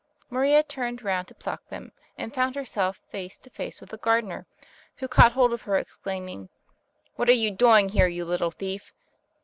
Maria turned round to pluck them, and found herself face to face with the gardener, who caught hold of her, exclaiming, "What are you doing here, you little thief?"